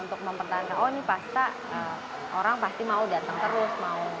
untuk mempertahankan oh ini pasti orang pasti mau datang terus mau